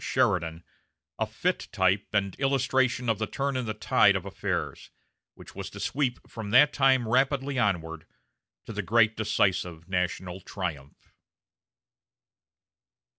Sheridan, a fit type and illustration of the turn in the tide of affairs, which was to sweep from that time rapidly onward to the great decisive national triumph.